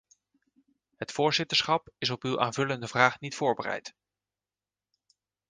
Het voorzitterschap is op uw aanvullende vraag niet voorbereid.